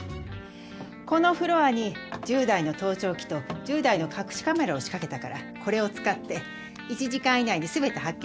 このフロアに１０台の盗聴器と１０台の隠しカメラを仕掛けたからこれを使って１時間以内に全て発見してもらうわ。